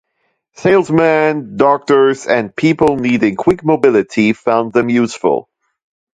Salesmen, doctors, and people needing quick mobility found them useful.